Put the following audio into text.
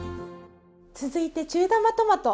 続いて中玉トマト。